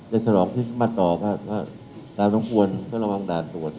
จะสร้องที่มาต่อก็ว่าตามทั้งควรเข้าระวังด่านตรวจ